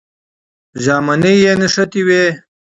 ژامنې یې نښتې وې.